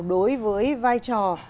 đối với vai trò